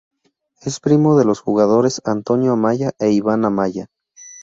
Es primo de los jugadores Antonio Amaya e Iván Amaya.